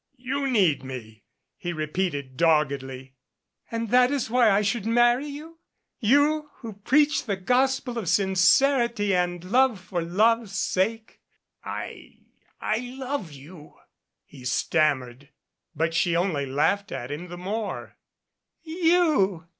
"You need me," he repeated doggedly. "And that is why I should marry you? You who preach the gospel of sincerity and love for love's sake !" "I I love you," he stammered. But she only laughed at him the more. "You.